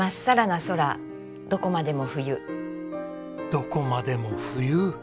「どこまでも冬」。